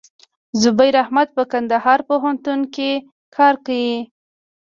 زبير احمد په کندهار پوهنتون کښي کار کيي.